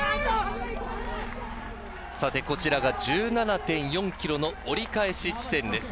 こちらが１７．４ｋｍの折り返し地点です。